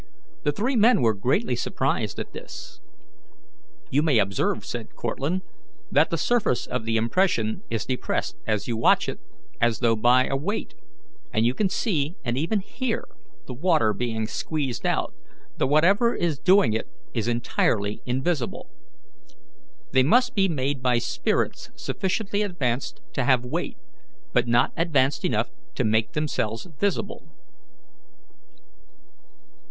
The three men were greatly surprised at this. "You may observe," said Cortlandt, "that the surface of the impression is depressed as you watch it, as though by a weight, and you can see, and even hear, the water being squeezed out, though whatever is doing it is entirely invisible. They must be made by spirits sufficiently advanced to have weight, but not advanced enough to make themselves visible."